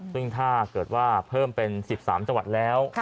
ซึ่งถ้าเกิดว่าเพิ่มเป็น๑๓จังหวัดแล้ว